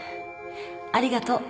ありがとう。